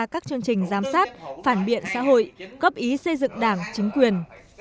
các chương trình giám sát phản biện xã hội góp ý xây dựng đảng chính quyền